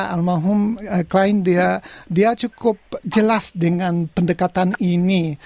almarhum klein dia cukup jelas dengan pendekatan ini